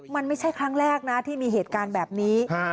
มันไม่ใช่ครั้งแรกนะที่มีเหตุการณ์แบบนี้